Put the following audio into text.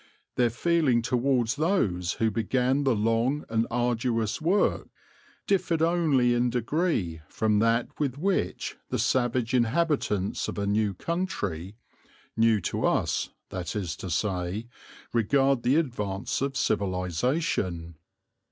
Their feeling towards those who began the long and arduous work differed only in degree from that with which the savage inhabitants of a new country new to us, that is to say regard the advance of civilization.